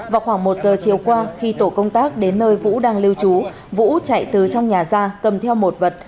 vào khoảng một giờ chiều qua khi tổ công tác đến nơi vũ đang lưu trú vũ chạy từ trong nhà ra cầm theo một vật